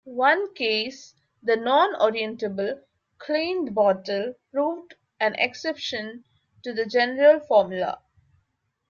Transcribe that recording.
One case, the non-orientable Klein bottle, proved an exception to the general formula.